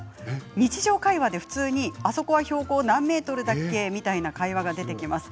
日常会話で普通にあそこは標高何ｍだっけ？という会話が出てきます。